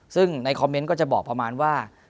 ซึ่งในคอมเมนต์ก็จะบอกประมาณว่า